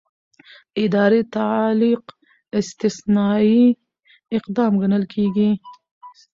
اداري تعلیق استثنايي اقدام ګڼل کېږي.